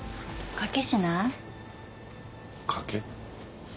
賭け？